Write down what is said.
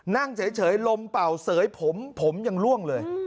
นั่งเฉยลมเป่าเสยผมผมยังล่วงเลย